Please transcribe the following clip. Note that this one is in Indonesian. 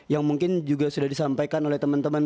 yang mungkin juga sudah disampaikan oleh teman teman